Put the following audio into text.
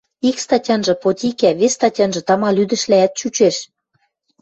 Ик статянжы, потикӓ, вес статянжы, тама лӱдӹшлӓӓт чӱчеш.